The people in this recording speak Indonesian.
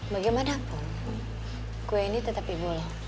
bagaimanapun gue ini tetap ibu lo